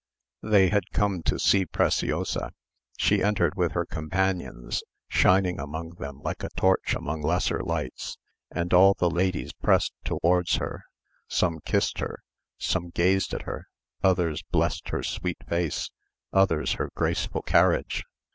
They had come to see Preciosa. She entered with her companions, shining among them like a torch among lesser lights, and all the ladies pressed towards her. Some kissed her, some gazed at her; others blessed her sweet face, others her graceful carriage.